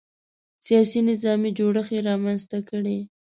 سیاسي نظامي جوړښت یې رامنځته کړی.